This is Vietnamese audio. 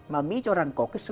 mà mỹ cho rằng có sự cạnh tranh